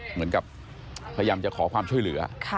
เหมือนกับพยายามจะขอความช่วยเหลือ